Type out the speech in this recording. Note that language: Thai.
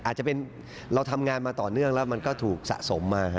อาจจะเป็นเราทำงานมาต่อเนื่องแล้วมันก็ถูกสะสมมา